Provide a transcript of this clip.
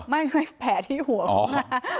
ไม่แผลที่หัวของ